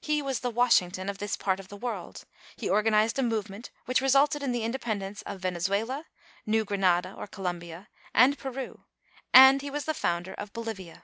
He was the Washington of this part of the world. He organ ized a movement which resulted in the independence of Venezuela, New Granada or Colom bia, and Peru, and he was the founder of Bolivia.